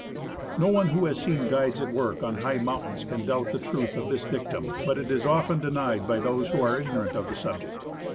No one who has seen fruides at work on his^h mountains can doubt the truth of this dictum ; but it is often denied by those who are ignorant of the subject.